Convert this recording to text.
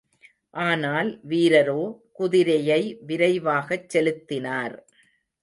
ஆனால் வீரரோ, குதிரையை விரைவாகச் செலுத்தினார்.